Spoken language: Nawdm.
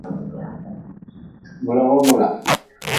Bula wo bula.